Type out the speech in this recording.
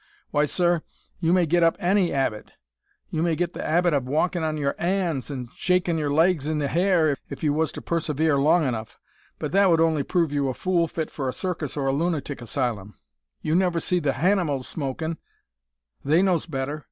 W'y, sir, you may git up any 'abit. You may git the 'abit of walkin' on your 'ands an' shakin' your legs in the hair if you was to persevere long enough, but that would only prove you a fool fit for a circus or a lunatic asylum. You never see the hanimals smokin'. They knows better.